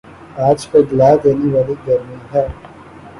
آج پگھلا دینے والی گرمی ہے